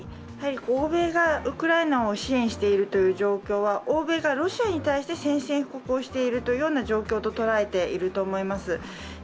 欧米がウクライナを支援しているという状況は、欧米がロシアに対して宣戦布告をしている状況と捉えていると思います。